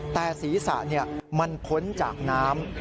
แต่ศีรษะมันพ้นจากน้ำ